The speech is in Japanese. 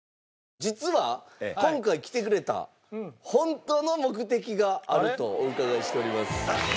実は今回来てくれた本当の目的があるとお伺いしております。